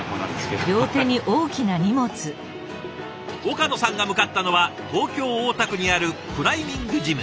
岡野さんが向かったのは東京・大田区にあるクライミングジム。